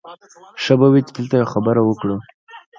ښه به وي چې دلته یوه خبره وکړو